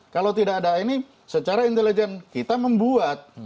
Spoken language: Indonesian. kalau tidak ada ini secara intelijen kita membuat